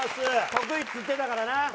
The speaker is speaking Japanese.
得意って言ってたからな。